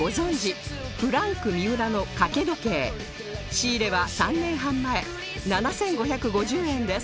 仕入れは３年半前７５５０円です